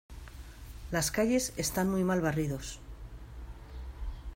Las calles están muy mal barridos.